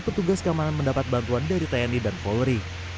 petugas keamanan mendapat bantuan dari tni dan polri